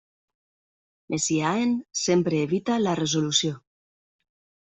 Messiaen sempre evita la resolució.